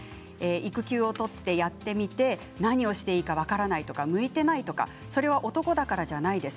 育休を取って、やってみて何をしていいか分からない見ていないとかそれは男だからじゃないです。